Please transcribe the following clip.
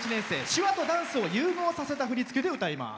手話とダンスを融合させた振り付けで歌います。